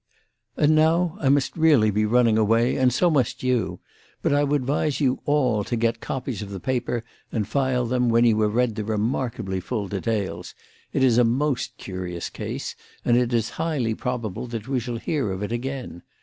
"And now I must really be running away, and so must you; but I would advise you all to get copies of the paper and file them when you have read the remarkably full details. It is a most curious case, and it is highly probable that we shall hear of it again.